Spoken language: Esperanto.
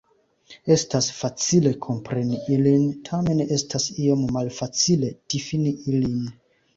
Estas facile kompreni ilin, tamen estas iom malfacile difini ilin.